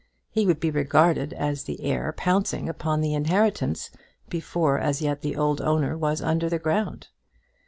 He would be regarded as the heir pouncing upon the inheritance before as yet the old owner was under the ground.